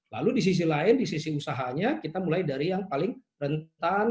lalu di sisi lain di sisi usahanya kita mulai dari yang paling rentan